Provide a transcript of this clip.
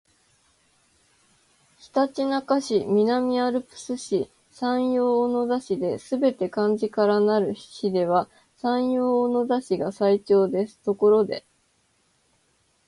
ひたちなか市、南アルプス市、山陽小野田市ですべて漢字からなる市では山陽小野田市が最長ですところで